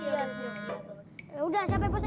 ya udah siapa bosnya